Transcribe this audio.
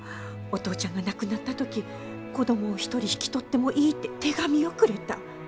お父ちゃんが亡くなった時子供を１人引き取ってもいいって手紙をくれた。